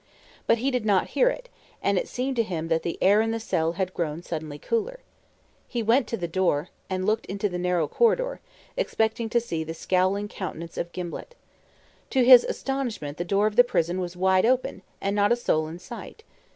But he did not hear it, and it seemed to him that the air in the cell had grown suddenly cooler. He went to the door, and looked into the narrow corridor, expecting to see the scowling countenance of Gimblett. To his astonishment the door of the prison was wide open, and not a soul in sight.